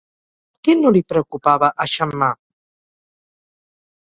Què no li preocupava a Xammar?